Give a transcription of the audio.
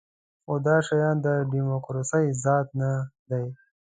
خو دا شیان د دیموکراسۍ ذات نه دی.